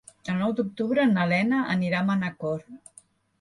El nou d'octubre na Lena anirà a Manacor.